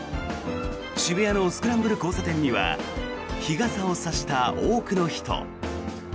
渋谷のスクランブル交差点には日傘を差した多くの人。